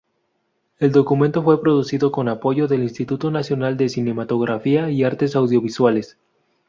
El documental fue producido con apoyo del Instituto Nacional de Cinematografía y Artes Audiovisuales.